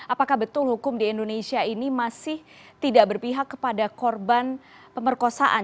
apakah betul hukum di indonesia ini masih tidak berpihak kepada korban pemerkosaan